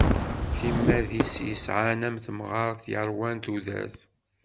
Timmad-is yeɛyan am temɣart yeṛwan tudert.